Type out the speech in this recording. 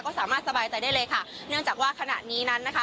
ก็สามารถสบายใจได้เลยค่ะเนื่องจากว่าขณะนี้นั้นนะคะ